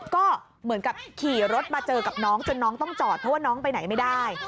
ก็เหมือนกับขี่รถมาเจอกับน้องจนน้องต้องจอดเพราะว่าน้องไปไหนไม่ได้